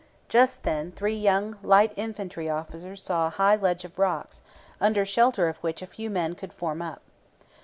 Just then three young light infantry officers saw a high ledge of rocks, under shelter of which a few men could form up.